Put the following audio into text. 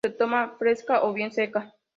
Se toma fresca o bien seca.